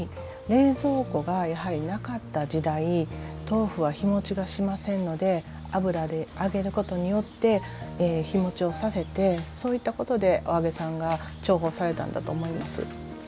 冷蔵庫がやはりなかった時代豆腐は日もちがしませんので油で揚げることによって日もちをさせてそういったことでお揚げさんが重宝されたんだと思います。